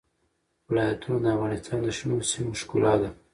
ولایتونه د افغانستان د شنو سیمو ښکلا ده.